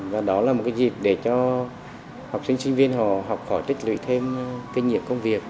và đó là một cái dịp để cho học sinh sinh viên họ học khỏi tích lưỡi thêm kinh nghiệm công việc